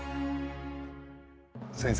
先生